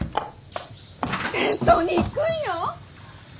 戦争に行くんよ！？